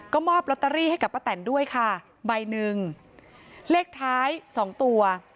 ก็มอบลอตเตอรี่ให้กับป้าแตนด้วยค่ะใบหนึ่งเลขท้ายสองตัว